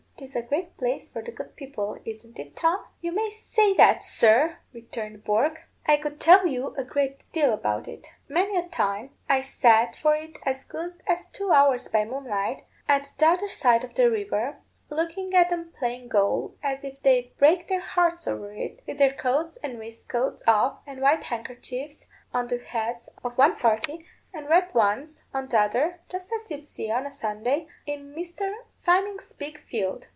"'Tis a great place for the good people, isn't it, Tom?" "You may say that, sir," returned Bourke. "I could tell you a great deal about it. Many a time I sat for as good as two hours by moonlight, at th' other side of the river, looking at 'em playing goal as if they'd break their hearts over it; with their coats and waistcoats off, and white handkerchiefs on the heads of one party, and red ones on th' other, just as you'd see on a Sunday in Mr. Simming's big field.